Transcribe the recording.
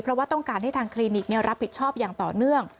เพราะว่าต้องการให้ทางคลินิกรับผิดชอบอย่างต่อเนื่อง